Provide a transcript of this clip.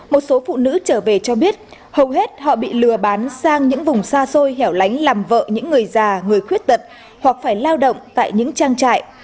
một số phụ nữ trở về cho biết hầu hết họ bị lừa bán sang những vùng xa xôi hẻo lánh làm vợ những người già người khuyết tật hoặc phải lao động tại những trang trại